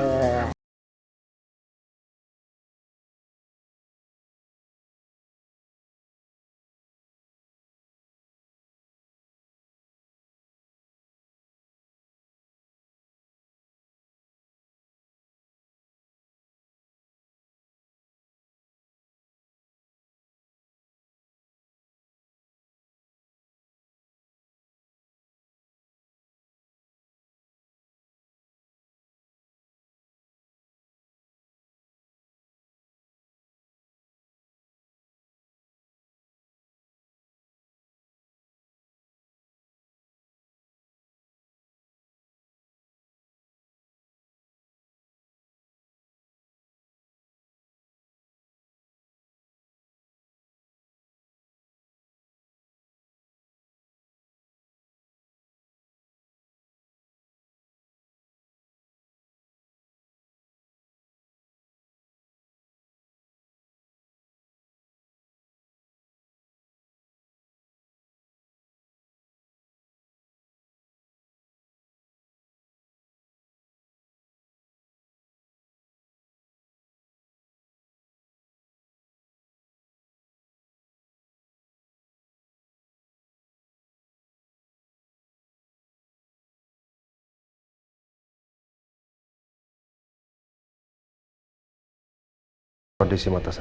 demekan cuma oke